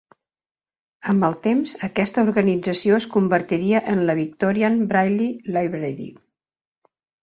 Amb el temps, aquesta organització es convertiria en la "Victorian Braille Library".